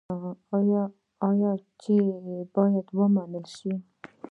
آیا چې باید ومنل شي؟